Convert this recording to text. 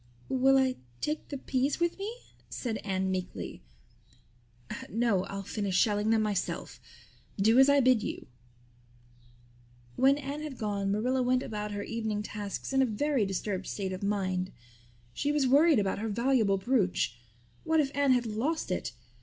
"Will I take the peas with me?" said Anne meekly. "No, I'll finish shelling them myself. Do as I bid you." When Anne had gone Marilla went about her evening tasks in a very disturbed state of mind. She was worried about her valuable brooch. What if Anne had lost it?